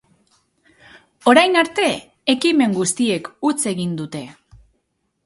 Orain arte, ekimen guztiek huts egin dute.